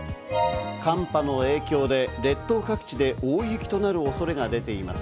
寒波の影響で列島各地で大雪となる恐れが出ています。